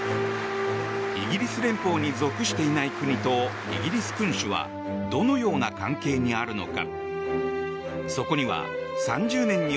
イギリス連邦に属していない国とイギリス君主はどのような関係にあるのか。